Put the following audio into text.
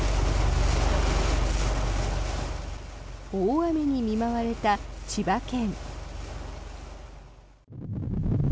大雨に見舞われた千葉県。